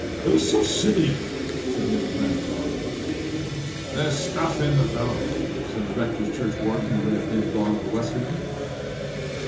"A Socinian!" said Mrs. Ramshorn. "There's stuff in the fellow!" said the rector's churchwarden, who had been brought up a Wesleyan.